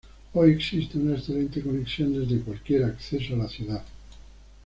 Hoy existe una excelente conexión desde cualquier acceso a la ciudad.